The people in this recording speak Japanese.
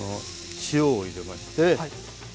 塩を入れまして。